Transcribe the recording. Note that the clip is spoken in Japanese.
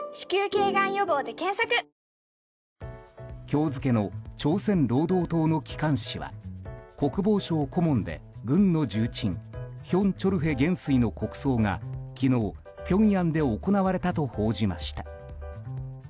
今日付の朝鮮労働党の機関紙は国防省顧問で軍の重鎮ヒョン・チョルヘ元帥の国葬が昨日、ピョンヤンで行われたと報じました。